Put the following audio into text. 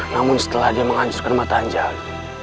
namun setelah dia menghancurkan mata anjal